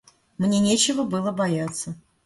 Мне нечего было бояться.